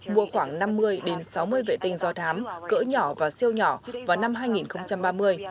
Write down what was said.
mua khoảng năm mươi sáu mươi vệ tinh do thám cỡ nhỏ và siêu nhỏ vào năm hai nghìn ba mươi